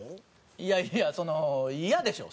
いやいやそのイヤでしょ！